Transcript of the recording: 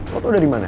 lo tuh udah dimana